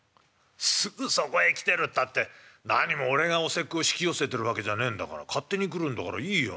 「すぐそこへ来てるったってなにも俺がお節句を引き寄せてるわけじゃねえんだから勝手に来るんだからいいよ。